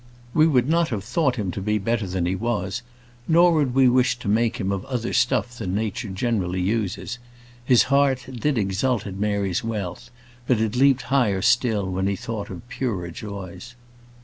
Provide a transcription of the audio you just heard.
We would not have him thought to be better than he was, nor would we wish him to make him of other stuff than nature generally uses. His heart did exult at Mary's wealth; but it leaped higher still when he thought of purer joys.